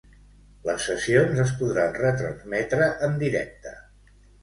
Les sessions es podran retransmetre en directe.